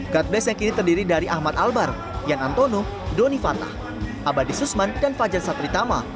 god best yang kini terdiri dari ahmad albar yan antono doni fatah abadi susman dan fajar satritama